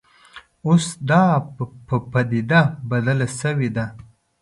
اوس دا په پدیده بدله شوې ده